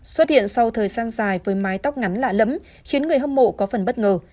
xuất hiện sau thời gian dài với mái tóc ngắn lạ lẫm khiến người hâm mộ có phần bất ngờ